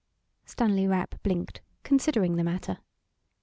Stanley Rapp blinked, considering the matter.